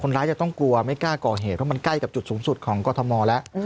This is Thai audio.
ร้ายจะต้องกลัวไม่กล้าก่อเหตุเพราะมันใกล้กับจุดสูงสุดของกรทมแล้ว